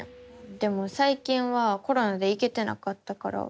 でもさい近はコロナで行けてなかったから。